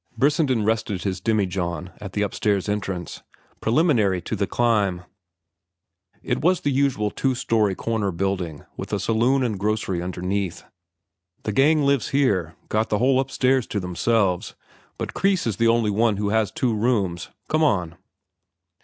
Brissenden rested his demijohn at the upstairs entrance, preliminary to the climb. It was the usual two story corner building, with a saloon and grocery underneath. "The gang lives here—got the whole upstairs to themselves. But Kreis is the only one who has two rooms. Come on."